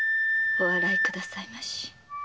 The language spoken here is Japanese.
お笑いくださいまし